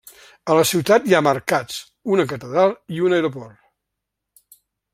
A la ciutat hi ha mercats, una catedral i un aeroport.